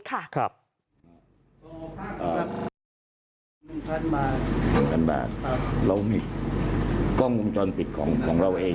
กล้องกุมจรปิดของเราเอง